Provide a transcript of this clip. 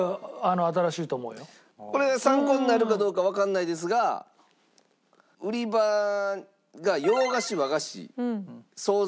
これが参考になるかどうかわかんないですが売り場が洋菓子和菓子惣菜